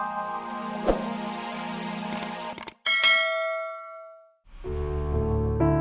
aku mau ke rumah